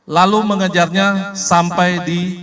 lalu mengejarnya sampai di